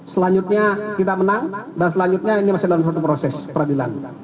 selanjutnya kita menang dan selanjutnya ini masih dalam satu proses peradilan